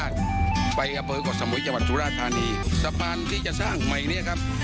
สะพานที่จะสร้างใหม่เนี่ยครับ